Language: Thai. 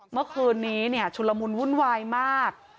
เมื่อคืนนี้ชุลมุนวุ่นวายมาก